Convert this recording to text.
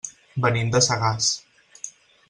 Venim de Sagàs.